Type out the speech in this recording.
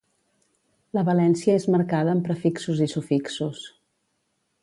La valència és marcada amb prefixos i sufixos.